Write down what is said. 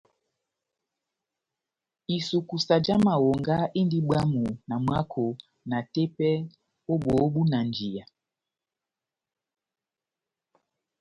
Isukusa já mahonga indi bwamu na mwako na tepɛ ó bóhó búnanjiya.